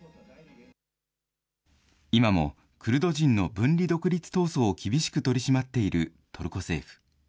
今もクルド人の分離独立闘争を厳しく取り締まっているトルコ政府。